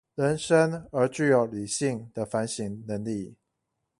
人生而具有理性的反省能力